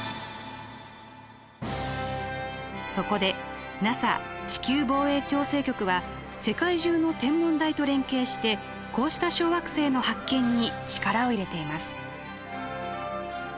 そこでＮＡＳＡ地球防衛調整局は世界中の天文台と連携してこうした小惑星の発見に力を入れています。